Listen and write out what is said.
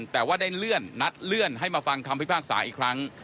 แต่ว่าได้เลื่อนนัดเลื่อนให้มาฟังคำพิพากษาอีกครั้ง